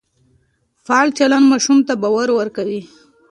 فعال چلند ماشوم ته باور ورکوي.